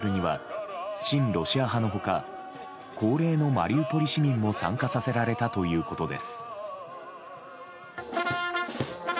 このカーニバルには親ロシア派の他高齢のマリウポリ市民も参加させられたということです。